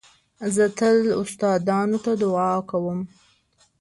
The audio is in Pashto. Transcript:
زه تل استادانو ته دؤعا کوم.